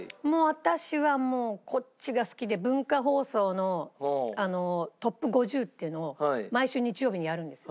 私はもうこっちが好きで文化放送のトップ５０っていうのを毎週日曜日にやるんですよ。